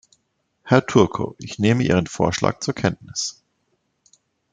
Herr Turco, ich nehme Ihren Vorschlag zur Kenntnis.